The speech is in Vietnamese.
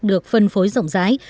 được phân phối rộng rãi